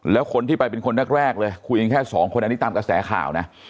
แล้วคนที่ไปเป็นคนแรกเลยคุยกันแค่สองคนอันนี้ตามกระแสข่าวนะ